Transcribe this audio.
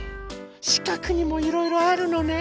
しかくにもいろいろあるのね。